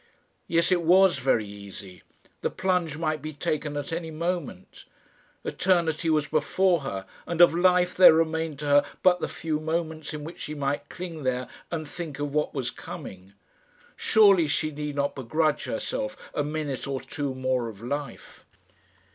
Yes, it was very easy. The plunge might be taken at any moment. Eternity was before her, and of life there remained to her but the few moments in which she might cling there and think of what was coming. Surely she need not begrudge herself a minute or two more of life.